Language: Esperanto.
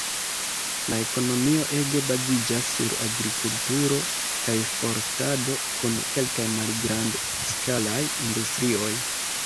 La ekonomio ege baziĝas sur agrikulturo kaj forstado, kun kelkaj malgrand-skalaj industrioj.